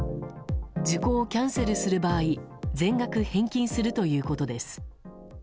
受講をキャンセルする場合全額返金するということです。